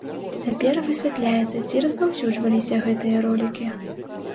Цяпер высвятляецца, ці распаўсюджваліся гэтыя ролікі.